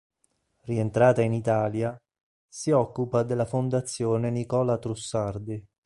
Rientrata in Italia, si occupa della Fondazione Nicola Trussardi.